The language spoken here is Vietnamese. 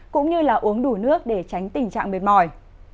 cũng như là uống đủ nước để tránh tình trạng mệt mỏi